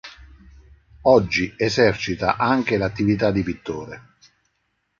Oggi esercita anche l'attività di pittore.